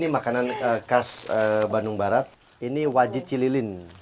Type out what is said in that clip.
makanan khas bandung barat ini wajit cililin